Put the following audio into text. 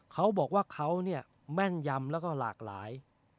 เขาบอกว่าเขามั่นยำแล้วก็รากหลาย